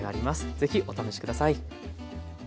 ぜひお試し下さい。